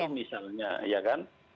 itu misalnya ya kan